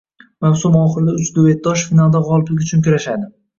Mavsum oxirida uch duetdosh finalda g‘oliblik uchun kurashadi.